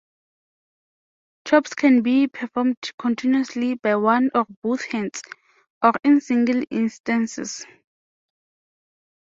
Chops can be performed continuously, by one or both hands, or in single instances.